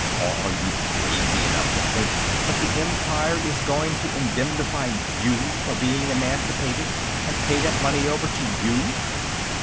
Or are you crazy enough to think that the Empire is going to indemnify you for being emancipated and pay that money over to you?"